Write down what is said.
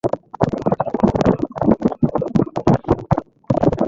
আমাকে রহমত প্রাপ্ত, ক্ষমাপ্রাপ্ত ও তাওবা কবুলকৃত উম্মতে মুহাম্মদীর অন্তর্ভুক্ত করুন!